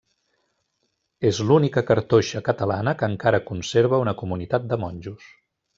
És l'única cartoixa catalana que encara conserva una comunitat de monjos.